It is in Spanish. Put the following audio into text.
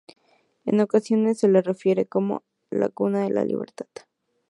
En ocasiones, se le refiere como "la Cuna de la Libertad".